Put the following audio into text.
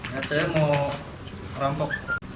lihat saya mau rampok